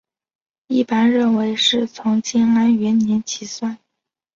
一般认为是从建安元年起算。